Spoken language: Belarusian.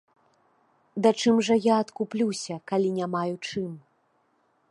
Да чым жа я адкуплюся, калі не маю чым?